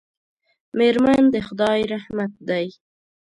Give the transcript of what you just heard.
میرمن د خدای رحمت دی.